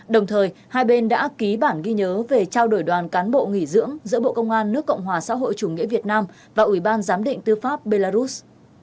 đồng thời hai bên đã ký bản ghi nhớ về trao đổi đoàn cán bộ nghỉ dưỡng giữa bộ công an nước cộng hòa xã hội chủ nghĩa việt nam và ủy ban giám định tư pháp belarus